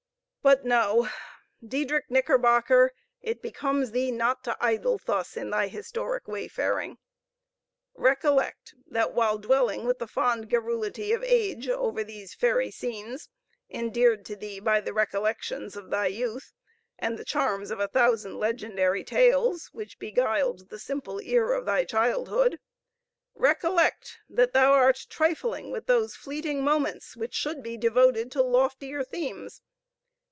But no! Diedrich Knickerbocker, it becomes thee not to idle thus in thy historic wayfaring. Recollect, that while dwelling with the fond garrulity of age over these fairy scenes, endeared to thee by the recollections of thy youth, and the charms of a thousand legendary tales, which beguiled the simple ear of thy childhood recollect that thou art trifling with those fleeting moments which should be devoted to loftier themes.